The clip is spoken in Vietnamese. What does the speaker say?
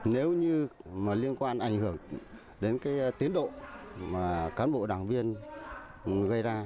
nếu như liên quan ảnh hưởng đến tiến độ cán bộ đảng viên gây ra